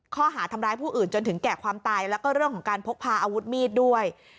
ข้อหาทำร้ายผู้อื่นจนถึงแก่ความตายแล้วก็เรื่องของการพกพาอาวุธมีดด้วย